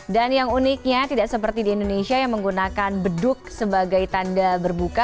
dan yang uniknya tidak seperti di indonesia yang menggunakan beduk sebagai tanda berbuka